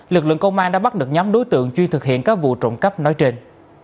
lực lượng công an đã bắt được nhóm đối tượng chuyên thực hiện các vụ trộm cắp nói trên